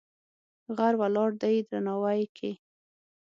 غر ولاړ دی درناوی کې.